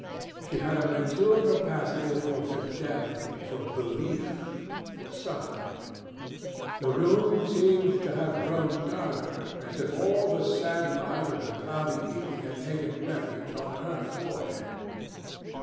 She had a mature capacity for fidelity, for belief, for suffering. The room seemed to have grown darker, as if all the sad light of the cloudy evening had taken refuge on her forehead.